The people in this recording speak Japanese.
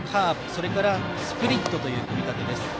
それからスプリットという組み立てです。